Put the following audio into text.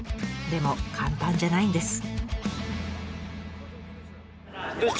でも簡単じゃないんです。